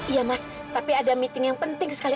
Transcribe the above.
iya mas tapi ada meeting yang penting sekali